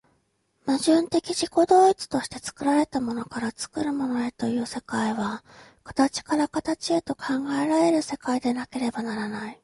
矛盾的自己同一として作られたものから作るものへという世界は、形から形へと考えられる世界でなければならない。